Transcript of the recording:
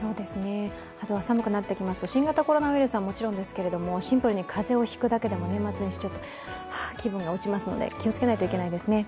あとは寒くなってきますと、新型コロナウイルスはもちろんですが風邪を引くだけでも年末に気分が落ちますので、気をつけないといけないですね。